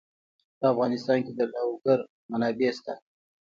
په افغانستان کې د لوگر منابع شته.